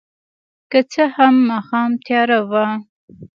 که څه هم ماښام تیاره وه.